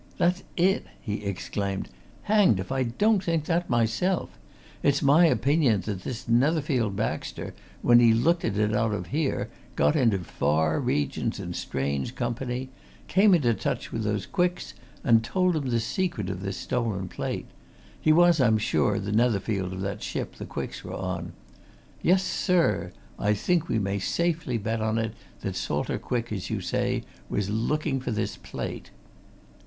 "That's it!" he exclaimed. "Hanged if I don't think that myself! It's my opinion that this Netherfield Baxter, when he hooked it out of here, got into far regions and strange company, came into touch with those Quicks and told 'em the secret of this stolen plate he was, I'm sure, the Netherfield of that ship the Quicks were on. Yes, sir! I think we may safely bet on it that Salter Quick, as you say, was looking for this plate!"